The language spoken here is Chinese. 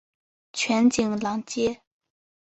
全景廊街。